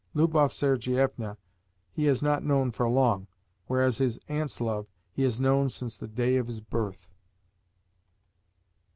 Lubov Sergievna he has not known for long, whereas his aunt's love he has known since the day of his birth."